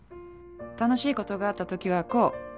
楽しいことがあったときはこう。